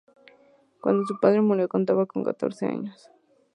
Cuando su padre murió contaba con catorce años.